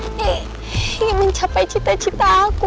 hei ingin mencapai cita cita aku